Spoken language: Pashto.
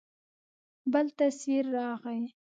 بل تصوير راغى.